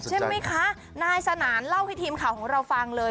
ใช่ไหมคะนายสนานเล่าให้ทีมข่าวของเราฟังเลย